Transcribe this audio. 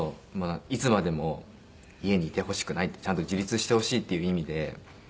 いつまでも家にいてほしくないってちゃんと自立してほしいっていう意味で。